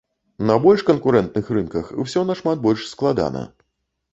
На больш канкурэнтных рынках усё нашмат больш складана.